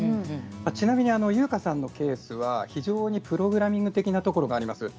ちなみに、ゆうかさんの家ケースは非常にプログラミング的なことがあります。